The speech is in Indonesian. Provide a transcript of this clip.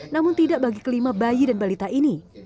namun tidak bagi kelima bayi dan balita ini